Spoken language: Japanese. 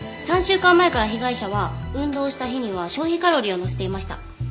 ３週間前から被害者は運動した日には消費カロリーを載せていました。